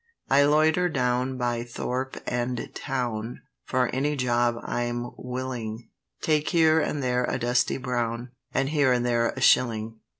"I loiter down by thorp and town; For any job I'm willing; Take here and there a dusty brown, And here and there a shilling.